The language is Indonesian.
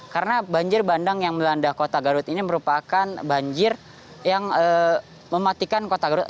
karena banjir bandang yang melanda kota garut ini merupakan banjir yang mematikan kota garut